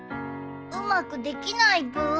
うまくできないブー。